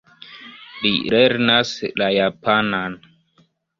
Li lernas la japanan.